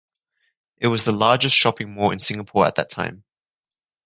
It was the largest shopping mall in Singapore at the time.